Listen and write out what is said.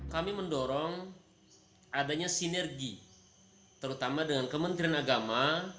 kami mendorong adanya sinergi terutama dengan kementerian agama